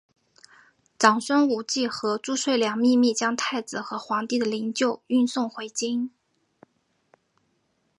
长孙无忌和褚遂良秘密将太子和皇帝的灵柩运送回京。